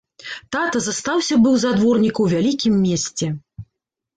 Тата застаўся быў за дворніка ў вялікім месце.